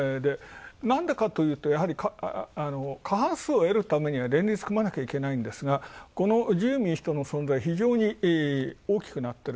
なんでかというと、やはり過半数を得るためには連立組まなきゃいけないんですがこの自由民主党の存在、大きく大きくなっている。